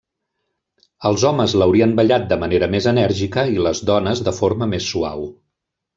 Els homes l'haurien ballat de manera més enèrgica i les dones de forma més suau.